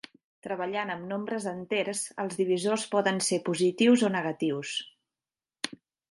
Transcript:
Treballant amb nombres enters, els divisors poden ser positius o negatius.